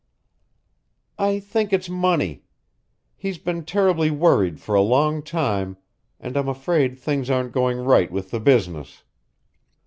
"I think it's money. He's been terribly worried for a long time, and I'm afraid things aren't going right with the business.